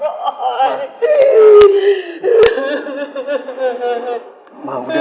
lepasin ibu saya